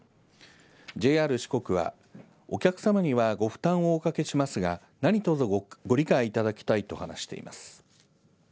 ＪＲ四国はお客様にはご負担をおかけしますが何とぞ、ご理解いただきたいと話しています。